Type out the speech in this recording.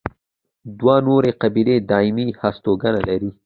دوه نورې قبیلې دایمي هستوګنه لري.